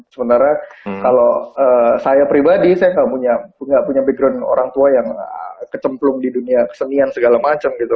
sementara kalau saya pribadi saya nggak punya background orang tua yang kecemplung di dunia kesenian segala macam gitu